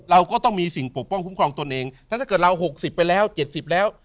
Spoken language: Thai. เราก็ต้องมีสิ่งปกป้องคุ้มครองตนเองถ้าเกิดเรา๖๐ไปแล้ว๗๐แล้ว